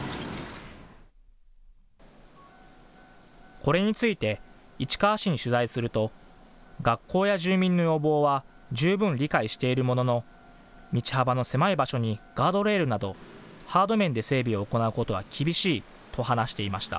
これについて市川市に取材すると学校や住民の要望は十分理解しているものの道幅の狭い場所にガードレールなどハード面で整備を行うことは厳しいと話していました。